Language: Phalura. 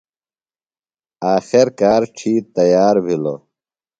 آخر کار ڇِھیتر تیار بِھلوۡ۔